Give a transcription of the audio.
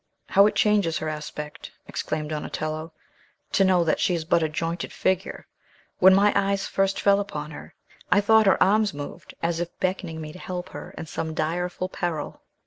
"How it changes her aspect," exclaimed Donatello, "to know that she is but a jointed figure! When my eyes first fell upon her, I thought her arms moved, as if beckoning me to help her in some direful peril."